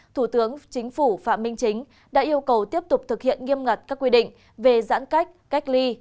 thủ tướng chính phủ phạm minh chính đã yêu cầu tiếp tục thực hiện nghiêm ngặt các quy định về giãn cách cách ly